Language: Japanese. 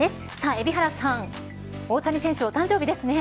海老原さん大谷選手、お誕生日ですね。